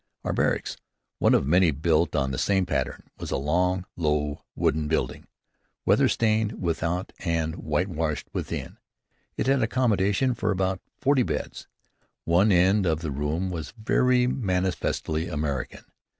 Our barracks, one of many built on the same pattern, was a long, low wooden building, weather stained without and whitewashed within. It had accommodation for about forty beds. One end of the room was very manifestly American.